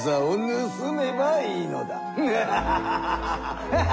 ハハハハハハハ。